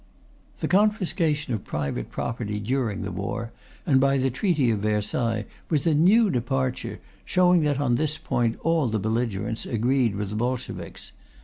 The confiscation of private property during the war and by the Treaty of Versailles was a new departure, showing that on this point all the belligerents agreed with the Bolsheviks.